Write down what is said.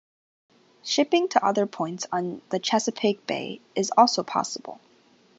Shipping to other points on the Chesapeake Bay is also possible.